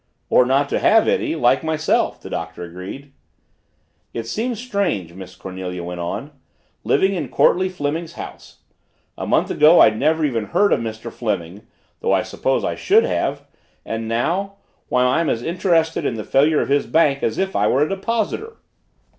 "Or not to have any like myself!" the Doctor agreed. "It seems strange," Miss Cornelia went on, "living in Courtleigh Fleming's house. A month ago I'd never even heard of Mr. Fleming though I suppose I should have and now why, I'm as interested in the failure of his bank as if I were a depositor!"